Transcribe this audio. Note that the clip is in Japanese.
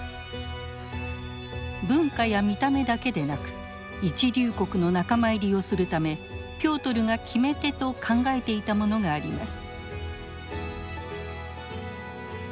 文化や見た目だけでなく一流国の仲間入りをするためピョートルが決め手と考えていたものがあります。